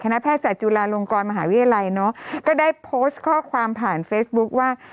แพทยศาสตุลาลงกรมหาวิทยาลัยเนอะก็ได้โพสต์ข้อความผ่านเฟซบุ๊คว่า